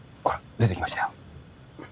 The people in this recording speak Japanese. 出てきましたよ。